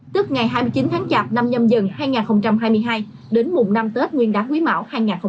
tức ngày hai mươi chín tháng chạp năm nhâm dần hai nghìn hai mươi hai đến mùng năm tết nguyên đáng quý mão hai nghìn hai mươi bốn